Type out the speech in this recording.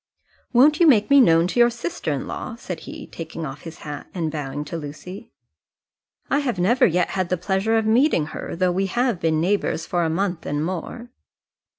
"Won't you make me known to your sister in law?" said he, taking off his hat, and bowing to Lucy. "I have never yet had the pleasure of meeting her, though we have been neighbours for a month and more."